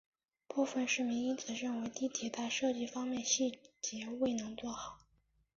部分市民因此认为地铁在设计方面细节未能做好。